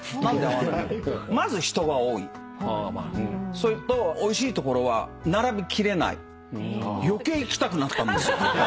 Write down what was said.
それと「おいしいところは並びきれない」余計行きたくなったんです。